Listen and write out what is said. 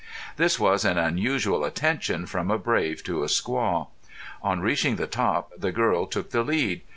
This was an unusual attention from a brave to a squaw. On reaching the top the girl took the lead.